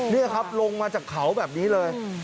นี่ครับลงมาจากเขาแบบนี้เลย